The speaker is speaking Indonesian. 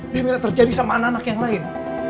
biar gak terjadi sama anak anak yang lain